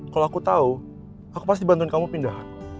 kalau aku tahu aku pasti bantuin kamu pindahan